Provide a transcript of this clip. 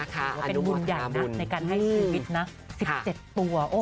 เป็นบุญอย่างนั้นในการให้ชีวิตนะ๑๗ตัว